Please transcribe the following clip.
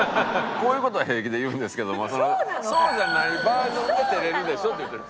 こういう事は平気で言うんですけどもそうじゃないバージョンで照れるでしょって言うてる。